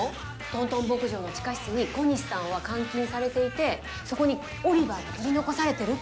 トントン牧場の地下室に小西さんは監禁されていてそこにオリバーが取り残されてるって。